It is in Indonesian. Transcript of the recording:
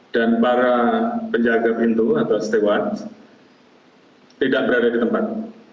dan para penjaga pintu atau setewan tidak berada di tempat